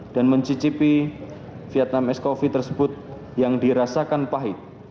dan mencicipi vietnam ice coffee tersebut yang dirasakan pahit